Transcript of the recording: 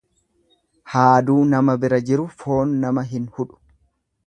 Haaduu nama bira jiru foon nama hin hudhu.